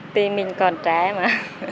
tùy mình còn trái mà